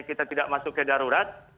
kita tidak masuk ke darurat